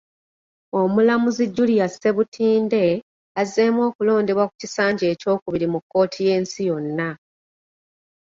Omulamuzi Julia Ssebutinde, azzeemu okulondebwa ku kisanja ekyokubiri mu kkooti y'ensi yonna.